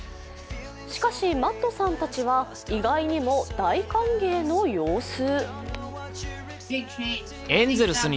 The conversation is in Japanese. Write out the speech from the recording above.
しかし、マットさんたちは意外にも大歓迎の様子。